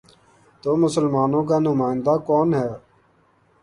تو مسلمانوں کا نمائندہ کون ہے؟